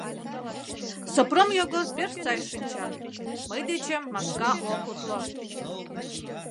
Сопром Йогор пеш сай шинча: мый дечем маска ок утло.